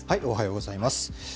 おはようございます。